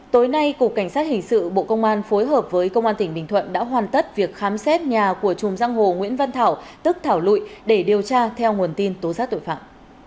tối nay cục cảnh sát hình sự bộ công an phối hợp với công an tỉnh bình thuận đã hoàn tất việc khám xét nhà của chùm giang hồ nguyễn văn thảo tức thảo lụy để điều tra theo nguồn tin tố giác tội phạm